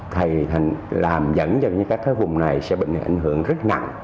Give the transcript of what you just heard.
thì làm dẫn cho những cái vùng này sẽ bị ảnh hưởng rất nặng